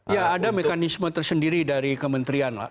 ya ada mekanisme tersendiri dari kementerian lah